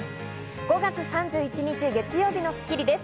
５月３１日、月曜日の『スッキリ』です。